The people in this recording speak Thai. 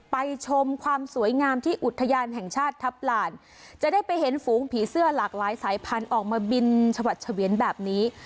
ชมความสวยงามที่อุทยานแห่งชาติทัพหลานจะได้ไปเห็นฝูงผีเสื้อหลากหลายสายพันธุ์ออกมาบินชวัดเฉวียนแบบนี้